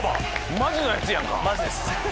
マジのやつやんか。